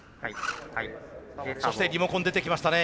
そしてリモコン出てきましたね。